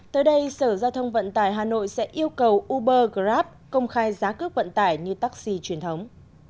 tới đây sở giao thông vận tải hà nội sẽ yêu cầu uber grab công khai giá cước vận tải như taxi truyền thống